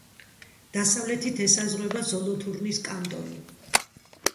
დასავლეთით ესაზღვრება ზოლოთურნის კანტონი.